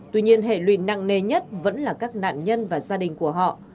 tuy nhiên hệ lụy nặng nề nhất vẫn là các nạn nhân và gia đình của họ